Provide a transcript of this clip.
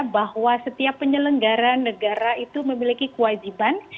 bahwa setiap penyelenggara negara itu memiliki kewajiban